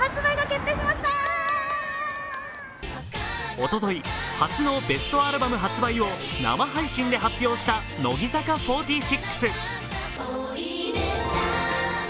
おととい、初のベストアルバム発売を生配信で発表した乃木坂４６。